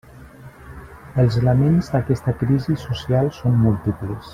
Els elements d'aquesta crisi social són múltiples.